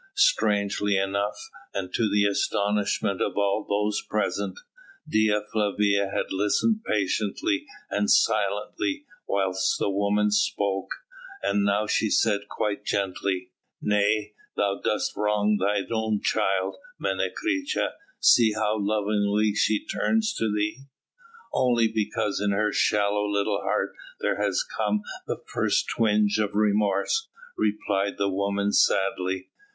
Strangely enough, and to the astonishment of all those present, Dea Flavia had listened patiently and silently whilst the woman spoke, and now she said quite gently: "Nay! thou dost wrong thine own child, Menecreta; see how lovingly she turns to thee!" "Only because in her shallow little heart there has come the first twinge of remorse," replied the woman sadly.